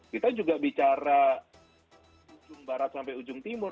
kita juga bicara ujung barat sampai ujung timur